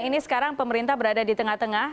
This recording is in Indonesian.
ini sekarang pemerintah berada di tengah tengah